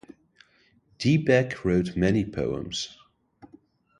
Dybeck wrote many poems.